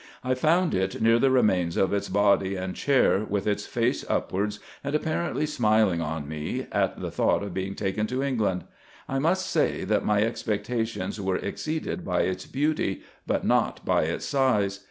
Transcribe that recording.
I found it near the remains of its body and chair, with its face upwards, and apparently smiling on me, at the thought of being taken to England. I must say, that my expectations were exceeded by its beauty, but not by its size.